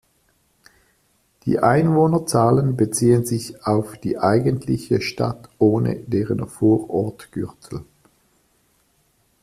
Die Einwohnerzahlen beziehen sich auf die eigentliche Stadt ohne deren Vorortgürtel.